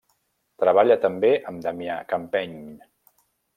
Treballà també amb Damià Campeny.